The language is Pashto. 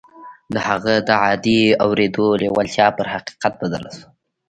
د هغه د عادي اورېدو لېوالتیا پر حقیقت بدله شوه